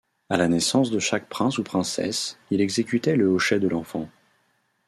À la naissance de chaque prince ou princesse, il exécutait le hochet de l’enfant.